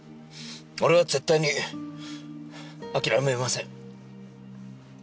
俺は絶対に諦めません。